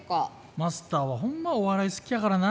マスターはほんまお笑い好きやからな。